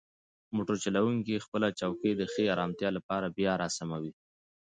موټر چلونکی خپله چوکۍ د ښې ارامتیا لپاره بیا راسموي.